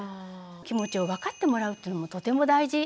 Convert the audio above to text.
気持ちを分かってもらうというのもとても大事なんですね。